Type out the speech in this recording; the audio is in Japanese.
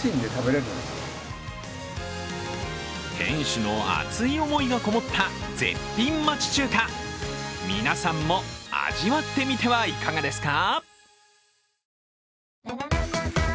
店主の熱い思いがこもって絶品町中華、皆さんも味わってみてはいかがですか？